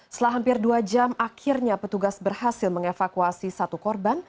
setelah hampir dua jam akhirnya petugas berhasil mengevakuasi satu korban